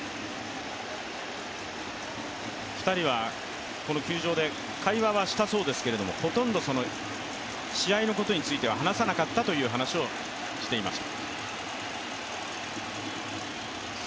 ２人はこの球場で会話はしたそうですけれども、ほとんど試合の話はしなかったという話をしていました。